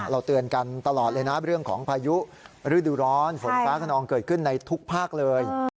เตือนกันตลอดเลยนะเรื่องของพายุฤดูร้อนฝนฟ้าขนองเกิดขึ้นในทุกภาคเลย